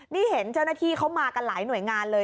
นี่เห็นเจ้าหน้าที่เขามากันหลายหน่วยงานเลย